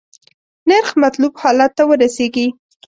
نرخ مطلوب حالت ته ورسیږي.